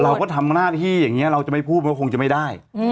เราก็ทำหน้าที่อย่างนี้เราจะไม่พูดก็คงจะไม่ได้